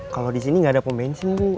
kalau disini gak ada pembencin bu